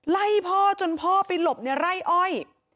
ไล่พ่อจนพ่อไปหลบในไร่อ้อย